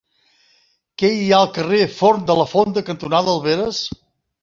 Què hi ha al carrer Forn de la Fonda cantonada Alberes?